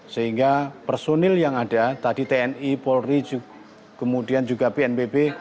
sehingga personil yang ada tadi tni polri kemudian juga bnpb